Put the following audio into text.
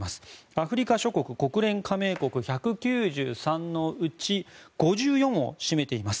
アフリカ諸国国連加盟国１９３のうち５４を占めています。